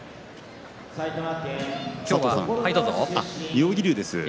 妙義龍です。